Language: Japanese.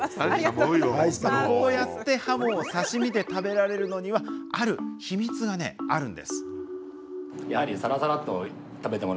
こうやってハモを刺身で食べられるのにはある秘密があるんです。